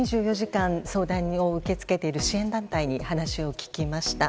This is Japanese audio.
２４時間相談を受け付けている支援団体に話を聞きました。